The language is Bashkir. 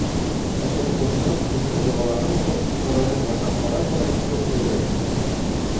Әсәһе бошоноп, үҙенең доғаларын уҡып, Хоҙайҙан ярҙам һорай-һорай тоҡ һөйрәй.